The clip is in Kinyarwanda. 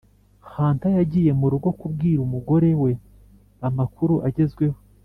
hunter yagiye murugo kubwira umugore we amakuru agezweho.